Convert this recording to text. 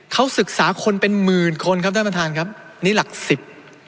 เขาศึกษาคนเป็นหมื่นคนครับท่านประธานครับนี่หลักสิบ